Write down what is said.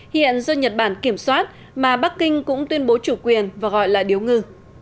hiện do nhật bản kiểm soát mà bắc kinh cũng tuyên bố chủ quyền và gọi là điếu ngư